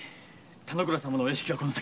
田之倉様のお屋敷はこの先。